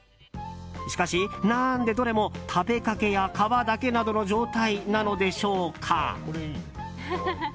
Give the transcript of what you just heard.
しかし、何でどれも食べかけや皮だけなどの状態なのでしょうか。